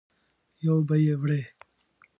یو به یې وړې.